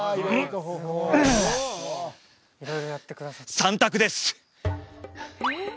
３択です！